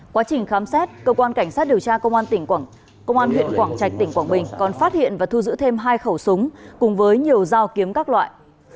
quá trình khám xét công an cảnh sát điều tra công an huyện quảng trạch tỉnh quảng bình còn phát hiện và thu giữ thêm hai khẩu súng cùng với nhiều dao kiếm các loại